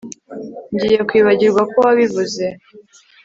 Ngiye kwibagirwa ko wabivuze